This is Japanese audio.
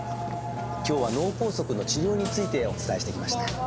今日は脳梗塞の治療についてお伝えしてきました。